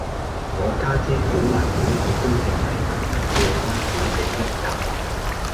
我家姐估黎估去都淨係得失過關小姐一人